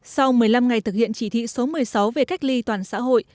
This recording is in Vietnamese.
sau một mươi năm ngày thực hiện chỉ thị số một mươi sáu về cách ly toàn xã hội